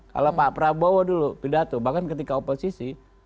kalau pak prabowo dulu pidato bahkan ketika oposisi